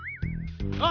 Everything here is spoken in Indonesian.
udah udah udah